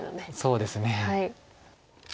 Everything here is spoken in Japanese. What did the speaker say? そうですね。